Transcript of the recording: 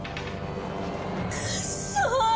くそ！